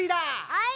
はい！